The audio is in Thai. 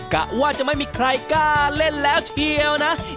กะว่าจะไม่มีใครกล้าเล่นแล้วเชียวนะ